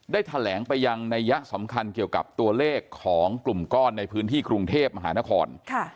ได้แถลงไปยังนัยยะสำคัญเกี่ยวกับตัวเลขของกลุ่มก้อนในพื้นที่กรุงเทพมหานคร